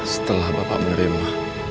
setelah bapak menerima